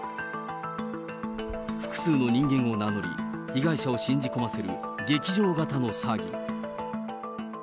複数の人間を名乗り、被害者を信じ込ませる劇場型の詐欺。